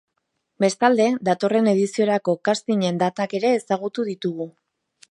Bestalde, datorren ediziorako castingen datak ere ezagutu ditugu.